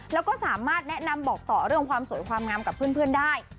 แล้วก็สามารถแนะนำบอกต่อเรื่องความสวยความงามกับเพื่อนได้